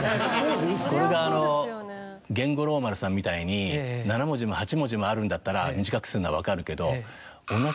これが源五郎丸さんみたいに７文字も８文字もあるんだったら短くするのは分かるけど。